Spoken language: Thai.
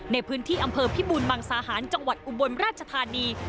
ในพื้นที่อำเภอพิบูรมังสาหารจังหวัดอุบลราชธานี